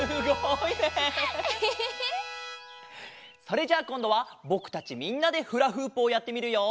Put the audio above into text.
それじゃあこんどはぼくたちみんなでフラフープをやってみるよ。